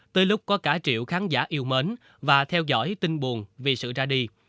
tới lúc có cả triệu khán giả yêu mến và theo dõi tin buồn vì sự ra đi